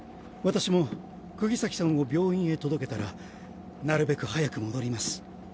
私も釘崎さんを病院へ届けたらなるべく早く戻ります。